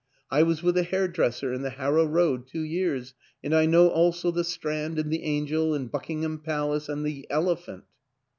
I was with a hairdresser in the Harrow Road two years; and I know also the Strand and the Angel and Buckingham Palace and the Elephant."